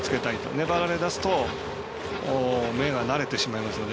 粘られだすと目が慣れてしまいますので。